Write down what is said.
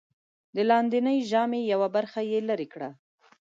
د لاندېنۍ ژامې یوه برخه یې لرې کړه.